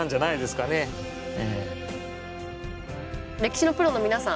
歴史のプロの皆さん